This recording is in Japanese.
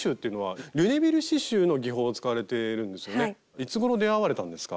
いつごろ出会われたんですか？